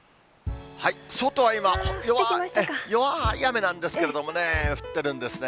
外は今、弱い雨なんですけれどもね、降ってるんですね。